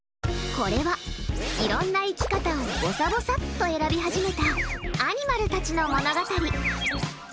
これは、いろんな生き方をぼさぼさっと選び始めたアニマルたちの物語。